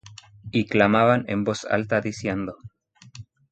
Y clamaban en alta voz diciendo